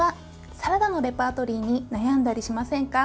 サラダのレパートリーに悩んだりしませんか？